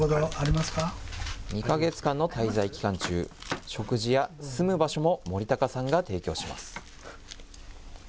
２か月間の滞在期間中、食事や住む場所も森高さんが提供します。